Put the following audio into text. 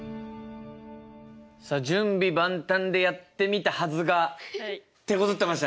さあ準備万端でやってみたはずがてこずってましたね。